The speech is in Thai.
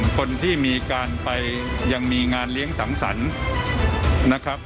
คนที่มีการไปยังมีงานเลี้ยงสังสรรค์นะครับ